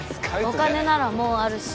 お金ならもうあるし。